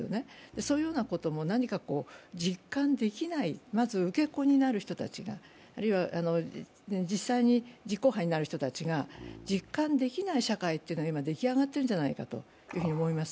そういうようなことも実感できない、まず受け子になる人たちが、あるいは実際に実行犯になる人たちが実感できない社会が今、出来上がっているんじゃないかと思います。